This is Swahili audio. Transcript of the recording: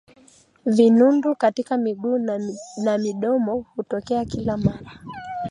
vinundu katika miguu na midomo hutokea kila mara